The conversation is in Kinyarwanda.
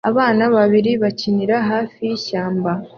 Abana babiri bakinira hafi yishyamba